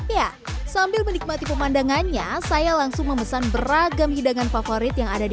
ya sambil menikmati pemandangannya saya langsung memesan beragam hidangan favorit yang ada di